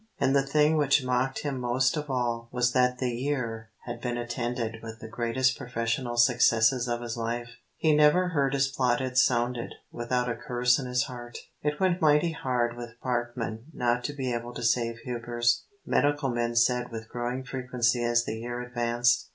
And the thing which mocked him most of all was that the year had been attended with the greatest professional successes of his life. He never heard his plaudits sounded without a curse in his heart. "It went mighty hard with Parkman not to be able to save Hubers," medical men said with growing frequency as the year advanced.